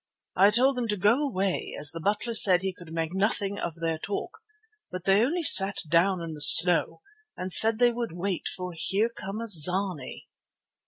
I told them to go away as the butler said he could make nothing of their talk, but they only sat down in the snow and said they would wait for Here come a zany."